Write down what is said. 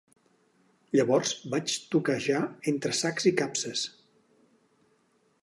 Llavors vaig toquejar entre sacs i capses.